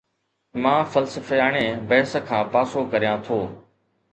مان فلسفياڻي بحث کان پاسو ڪريان ٿو